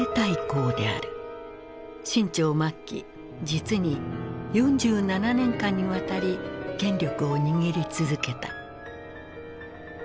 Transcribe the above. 清朝末期実に４７年間にわたり権力を握り続けた。